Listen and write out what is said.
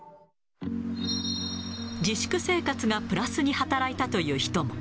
自粛生活がプラスに働いたという人も。